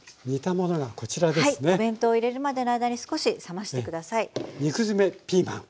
お弁当入れるまでの間に少し冷まして下さい。